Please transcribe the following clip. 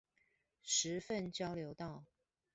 十份交流道